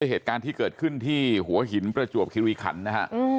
เหตุการณ์ที่เกิดขึ้นที่หัวหินประจวบคิริขันนะฮะ